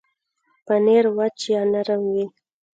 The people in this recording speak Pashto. پنېر وچ یا نرم وي.